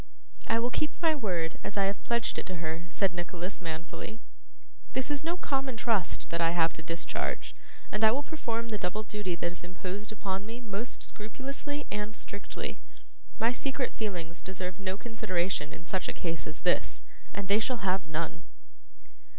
'I will keep my word, as I have pledged it to her,' said Nicholas, manfully. 'This is no common trust that I have to discharge, and I will perform the double duty that is imposed upon me most scrupulously and strictly. My secret feelings deserve no consideration in such a case as this, and they shall have none.